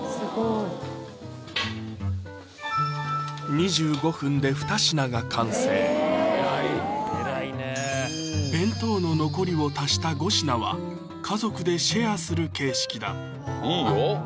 ２５分でふた品が完成弁当の残りを足した５品は家族でシェアする形式だ